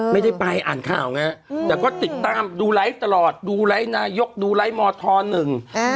ไม่ได้ไปอ่านข่าวไงแต่ก็ติดตามดูไลฟ์ตลอดดูไลค์นายกดูไลค์มธหนึ่งอ่า